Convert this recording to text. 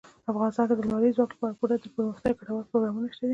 افغانستان کې د لمریز ځواک لپاره پوره دپرمختیا ګټور پروګرامونه شته دي.